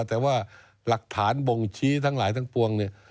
แต่ว่าหลักฐานบ่งชี้ทั้งหลายทั้งปวงเนี่ย